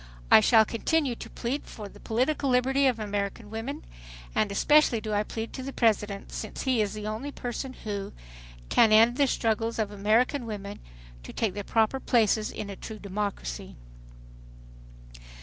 I shall continue to plead for the political liberty of American women and especially do I plead to the President, since he is the one person who ... can end the struggles of American women to take their proper places in a true democracy."